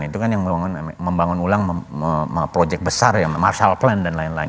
itu kan yang membangun ulang project besar ya martial plan dan lain lain